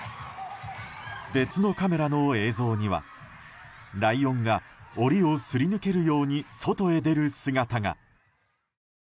別のカメラの映像にはライオンが檻をすり抜けるように外に出る姿が。